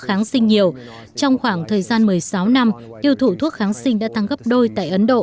kháng sinh nhiều trong khoảng thời gian một mươi sáu năm tiêu thụ thuốc kháng sinh đã tăng gấp đôi tại ấn độ